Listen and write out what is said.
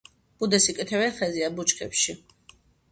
ბუდეს იკეთებენ ხეზე ან ბუჩქებში.